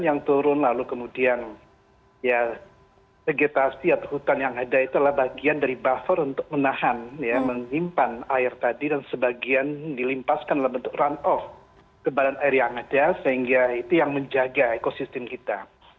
yang turun lalu kemudian ya vegetasi atau hutan yang ada itu adalah bagian dari buffer untuk menahan ya menyimpan air tadi dan sebagian dilimpaskan dalam bentuk run off ke badan air yang ada sehingga itu yang menjaga ekosistem kita